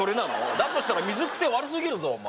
だとしたら水グセ悪すぎるぞお前